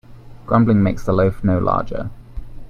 Grumbling makes the loaf no larger.